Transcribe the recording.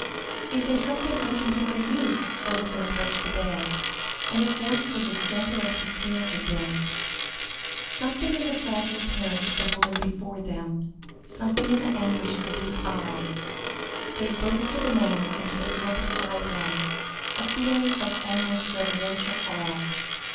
"Is there something I can do for you?" Fergusson approached the bed, and his voice was as gentle as Christina's had been. Something in the fragile appearance of the woman before them, something in the anguish of the deep eyes, gave both to the man and to the girl beside him, a feeling of almost reverential awe.